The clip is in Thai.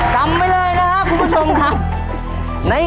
ตัวเลือกที่สองวนทางซ้าย